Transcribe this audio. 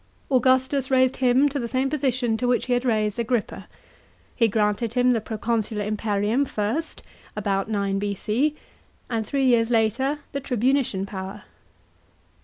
Augustus raised him to the same position to which he had raised Agrippa. He granted him the pro consular imperium first (about 9 B.C.), and three years later the tribunician power.